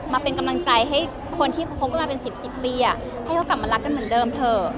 มาเป็นกำลังใจให้คนที่คบกันมาเป็น๑๐ปีให้เขากลับมารักกันเหมือนเดิมเถอะ